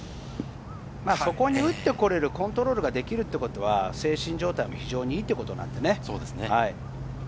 そこに打ってこられる、コントロールできるということは精神状態も非常にいいということなのでね。